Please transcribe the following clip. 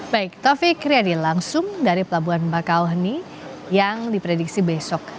baik taufik riyadi langsung dari pelabuhan bakauheni yang diprediksi besok